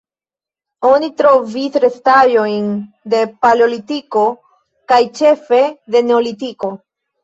Oni trovis restaĵojn de Paleolitiko kaj ĉefe de Neolitiko.